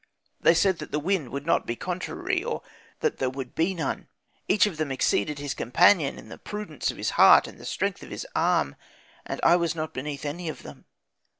They said that the wind would not be contrary, or that there would be none. Each of them exceeded his companion in the prudence of his heart and the strength of his arm, and I was not beneath any of them.